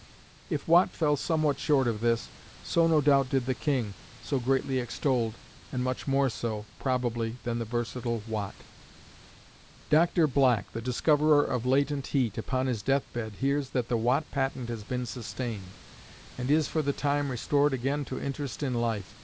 If Watt fell somewhat short of this, so no doubt did the king so greatly extolled, and much more so, probably, than the versatile Watt. Dr. Black, the discoverer of latent heat, upon his death bed, hears that the Watt patent has been sustained, and is for the time restored again to interest in life.